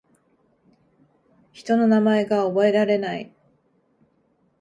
人の名前が覚えられない